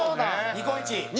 ニコイチ。